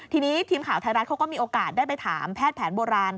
ทีนี้ทีมข่าวไทยรัฐเขาก็มีโอกาสได้ไปถามแพทย์แผนโบราณ